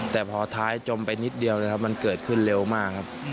แต่พอท้ายจมไปนิดเดียวนะครับมันเกิดขึ้นเร็วมากครับ